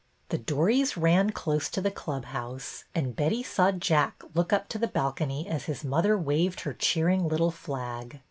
The dories ran close to the club house, and Betty saw Jack look up to the balcony as his mother waved her cheering little flag.